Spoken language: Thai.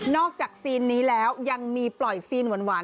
จากซีนนี้แล้วยังมีปล่อยซีนหวาน